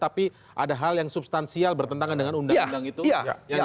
tapi ada hal yang substansial bertentangan dengan undang undang itu